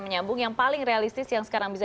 menyambung yang paling realistis yang sekarang bisa